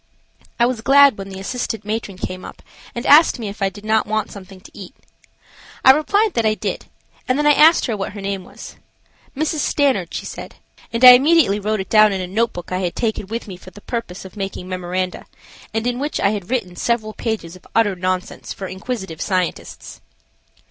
I was glad when the assistant matron came up and asked me if I did not want something to eat. I replied that I did, and then I asked her what her name was. Mrs. Stanard, she said, and I immediately wrote it down in a notebook I had taken with me for the purpose of making memoranda, and in which I had written several pages of utter nonsense for inquisitive scientists.